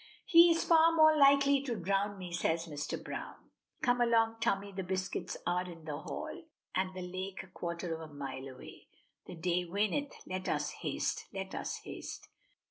"He is far more likely to drown me," says Mr. Browne. "Come along, Tommy, the biscuits are in the hall, and the lake a quarter of a mile away. The day waneth; let us haste let us haste!"